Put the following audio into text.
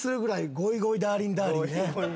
「ゴイゴイダーリンダーリン」は衝撃。